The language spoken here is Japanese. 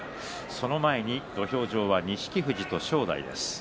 その前に土俵上は錦富士と正代です。